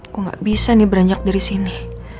kok gak bisa nih beranjak dari sini